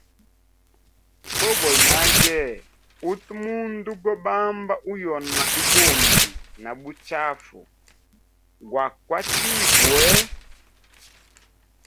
Boboya nage utu mundu go bamba uyona ibundi na buchafu gwa kwatibwe.